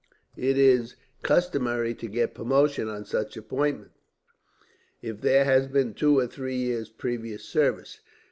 It is customary to get promotion, on such appointment, if there has been two or three years' previous service.